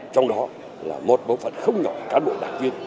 trong đó là một bộ phận không nhỏ cán bộ đảng viên